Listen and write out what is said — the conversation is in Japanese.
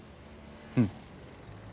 うん。